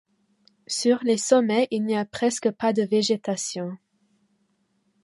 Sur les sommets il n'y a presque pas de végétation.